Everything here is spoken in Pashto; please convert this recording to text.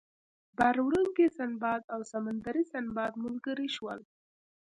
بار وړونکی سنباد او سمندري سنباد ملګري شول.